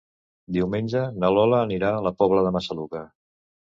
Diumenge na Lola anirà a la Pobla de Massaluca.